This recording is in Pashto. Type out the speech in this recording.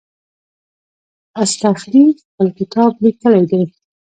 اصطخري خپل کتاب لیکلی دی.